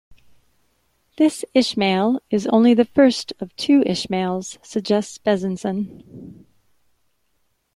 This Ishmael is only the first of two Ishmaels, suggests Bezanson.